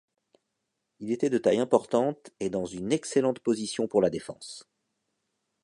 Il était de taille importante et dans une excellente position pour la défense.